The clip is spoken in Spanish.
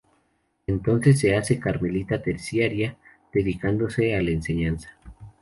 Entonces se hace carmelita terciaria, dedicándose a la enseñanza.